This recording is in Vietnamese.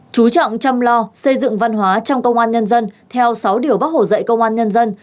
chú trọng chăm lo xây dựng văn hóa trong công an nhân dân theo sáu điều bác hồ dạy công an nhân dân